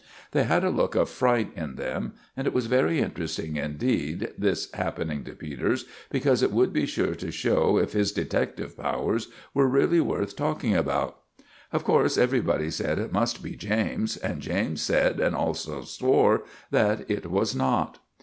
They had a look of fright in them; and it was very interesting indeed, this happening to Peters, because it would be sure to show if his detective powers were really worth talking about. Of course everybody said it must be James; and James said, and also swore, that it was not.